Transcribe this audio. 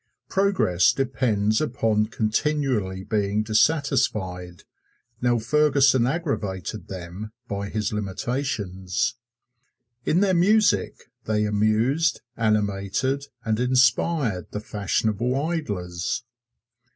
Progress depends upon continually being dissatisfied. Now Ferguson aggravated them by his limitations. In their music they amused, animated and inspired the fashionable idlers.